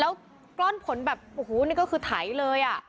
แล้วกล้อนผลแบบโอ้โหนี่ก็คือไถเลยอ่ะ